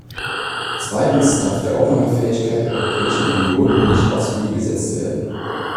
Zweitens darf die Aufnahmefähigkeit der Europäischen Union nicht aufs Spiel gesetzt werden.